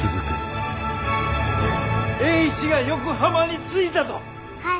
栄一が横浜に着いたと！